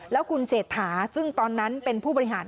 แล้วคุณเศรษฐาซึ่งตอนนั้นเป็นผู้บริหาร